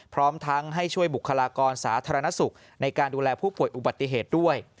พร้อมทั้งให้ช่วยบุคลากรสาธารณสุขในการดูแลผู้ป่วยอุบัติเหตุด้วย